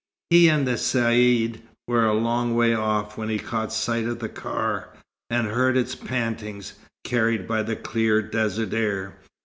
He and the Caïd were a long way off when he caught sight of the car, and heard its pantings, carried by the clear desert air.